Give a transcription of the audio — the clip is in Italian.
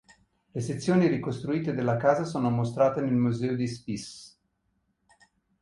Le sezioni ricostruite della casa sono mostrate nel Museo di Spiš.